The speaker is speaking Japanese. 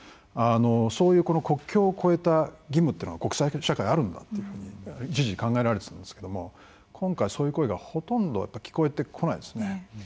そういう国境を越えた義務が国際社会にはあるんだというふうに一時考えられていたんですけど今回はそういう声がほとんど聞こえてこないですね。